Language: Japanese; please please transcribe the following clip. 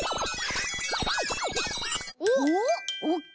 おっ？